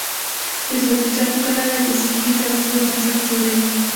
د سبزیجاتو کرنه د صحي تغذیې بنسټ جوړوي.